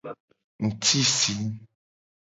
Ngtisi.